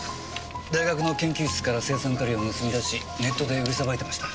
大学の研究室から青酸カリを盗み出しネットで売りさばいてました。